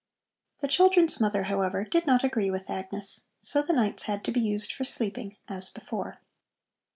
The children's mother, however, did not agree with Agnes, so the nights had to be used for sleeping as before.